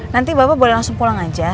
nanti bapak boleh langsung pulang aja